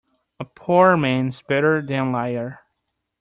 A poor man is better than a liar.